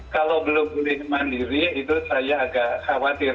kalau belum boleh mandiri itu saya agak khawatir